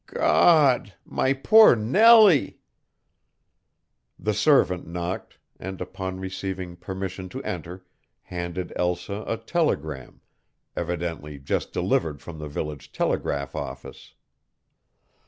"Gawd! My poor Nellie!" The servant knocked, and, upon receiving permission to enter, handed Elsa a telegram, evidently just delivered from the village telegraph office.